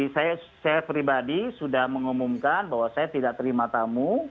saya pribadi sudah mengumumkan bahwa saya tidak terima tamu